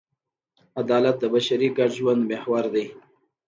عدالت د بشري ګډ ژوند محور دی.